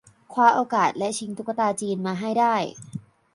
คว้าโอกาสและชิงตุ๊กตาจีนมาให้ได้